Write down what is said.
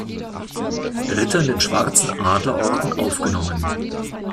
Ritter in den Schwarzen Adlerorden aufgenommen.